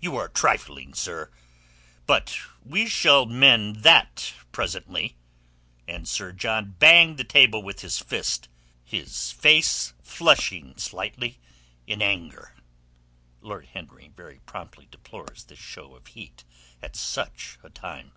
"You are trifling, sir. But we shall mend that presently," and Sir John banged the table with his fist, his face flushing slightly in anger. (Lord Henry very properly deplores this show of heat at such a time.)